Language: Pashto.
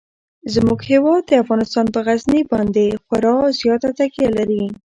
زموږ هیواد افغانستان په غزني باندې خورا زیاته تکیه لري.